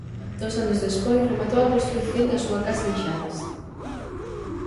Dous anos despois rematou a construción da súa casa en Xares.